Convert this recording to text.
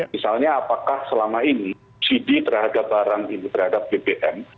misalnya apakah selama ini subsidi terhadap barang ini terhadap bbm